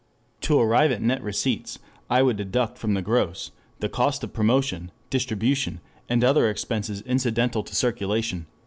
To arrive at net receipts, I would deduct from the gross the cost of promotion, distribution, and other expenses incidental to circulation."